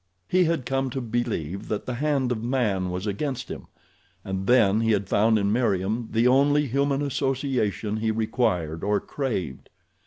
He had come to believe that the hand of man was against him, and then he had found in Meriem the only human association he required or craved.